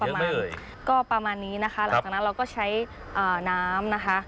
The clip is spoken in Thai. ใส่เยอะเมื่อยก็ประมาณนี้นะครับหลังจากนั้นเราก็ใช้น้ำนะคะ